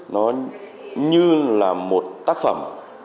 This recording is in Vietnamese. nó như là một tác phẩm